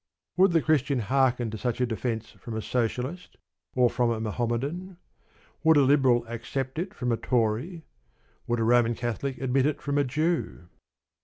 Would the Christian hearken to such a defence from a Socialist, or from a Mohammedan? Would a Liberal accept it from a Tory? Would a Roman Catholic admit it from a Jew?